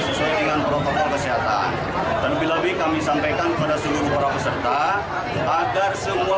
sesuai dengan protokol kesehatan terlebih lagi kami sampaikan kepada seluruh para peserta agar semua